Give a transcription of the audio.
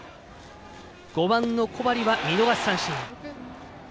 ５番の小針は見逃し三振。